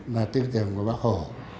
là tư tưởng của bác hổ